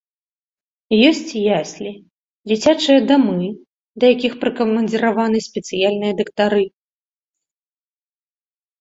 Ёсць яслі, дзіцячыя дамы, да якіх прыкамандзіраваны спецыяльныя дактары.